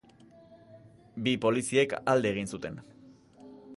Bi poliziek alde egin zuten.